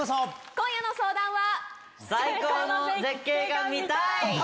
今夜の相談は！